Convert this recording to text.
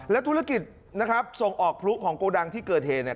และธุรกิจส่งออกพลุของโกดังที่เกิดเหนือ